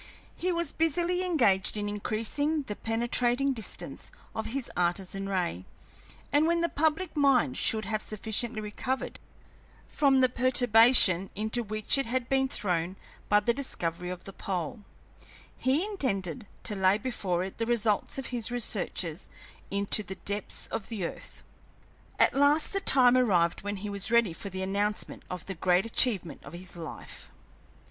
He was busily engaged in increasing the penetrating distance of his Artesian ray, and when the public mind should have sufficiently recovered from the perturbation into which it had been thrown by the discovery of the pole, he intended to lay before it the results of his researches into the depths of the earth. At last the time arrived when he was ready for the announcement of the great achievement of his life.